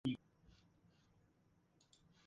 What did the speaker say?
記憶冠軍